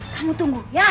kamu tunggu ya